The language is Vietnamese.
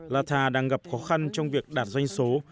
latha đang gặp khó khăn trong việc đạt doanh số